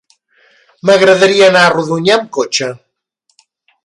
M'agradaria anar a Rodonyà amb cotxe.